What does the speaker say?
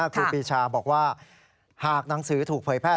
ครูปีชาบอกว่าหากหนังสือถูกเผยแพร่